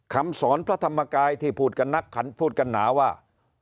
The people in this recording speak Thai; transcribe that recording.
คำสอนพระธรรมกายที่พูดกับนักขันพูดกันหนาว่า